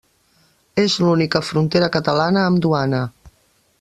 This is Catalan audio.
És l'única frontera catalana amb duana.